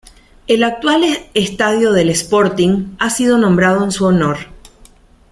El actual estadio del Sporting ha sido nombrado en su honor.